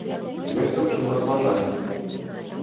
Ёсць аб чым разважаць.